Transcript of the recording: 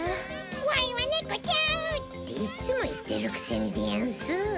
「ワイはネコちゃう！」っていっつも言ってるくせにでヤンス。